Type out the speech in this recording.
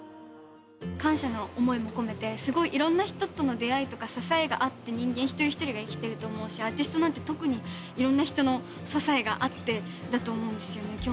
感謝の思いも込めてすごいいろんな人との出会いとか支えがあって人間一人一人が生きてると思うしアーティストなんて特にいろんな人の支えがあってだと思うんですよね。